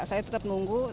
saya tetap nunggu